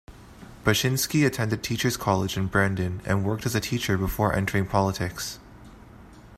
Bachynsky attended teacher's college in Brandon and worked as a teacher before entering politics.